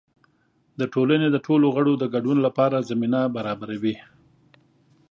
د ټولنې د ټولو غړو د ګډون لپاره زمینه برابروي.